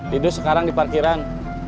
didu sekarang di parkiran